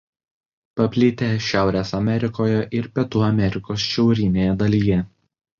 Paplitę Šiaurės Amerikoje ir Pietų Amerikos šiaurinėje dalyje.